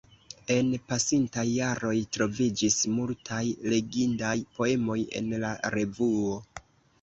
En pasintaj jaroj troviĝis multaj legindaj poemoj en la revuo.